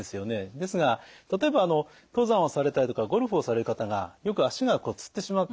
ですが例えば登山をされたりとかゴルフをされる方がよく足がつってしまって。